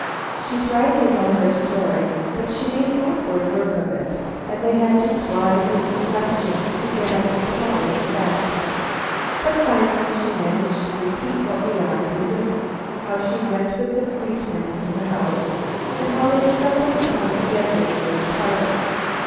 She tried to tell her story, but she made awkward work of it, and they had to ply her with questions to get at the smallest fact. But finally she managed to repeat what we already knew, how she went with the policeman into the house, and how they stumbled upon the dead woman in the parlor.